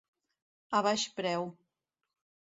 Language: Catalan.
A baix preu.